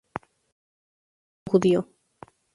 Se crio como judío.